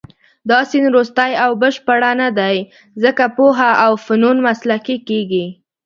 دا سیند وروستۍ او بشپړه نه دی، ځکه پوهه او فنون مسلکي کېږي.